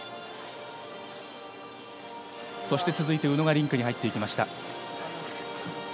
そして、続いて宇野がリンクに入っていきました。